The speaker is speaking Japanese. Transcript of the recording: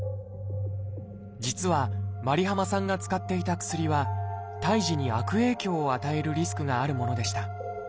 実はｍａｒｉｈａｍａさんが使っていた薬は胎児に悪影響を与えるリスクがあるものでした。